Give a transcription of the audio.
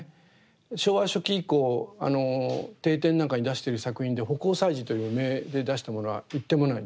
昭和初期以降帝展なんかに出している作品で葆光彩磁という名で出したものは一点もないんですね。